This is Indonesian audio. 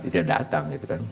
tidak datang gitu kan